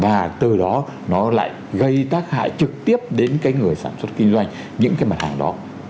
và từ đó nó lại gây tác hại trực tiếp đến cái người sản xuất kinh doanh những cái mặt hàng đó